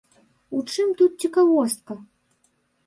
У чым тут цікавостка?